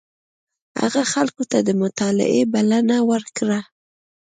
هغه خلکو ته د مطالعې بلنه ورکړه.